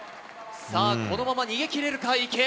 このまま逃げ切れるか池江。